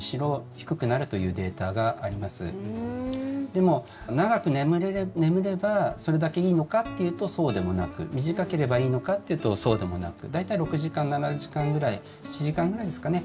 でも、長く眠ればそれだけいいのかっていうとそうでもなく短ければいいのかっていうとそうでもなく大体６時間、７時間ぐらい７時間ぐらいですかね